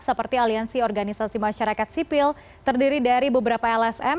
seperti aliansi organisasi masyarakat sipil terdiri dari beberapa lsm